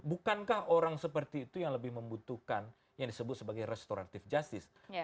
bukankah orang seperti itu yang lebih membutuhkan yang disebut sebagai restoratif justice